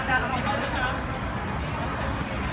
หลักหรือเปล่า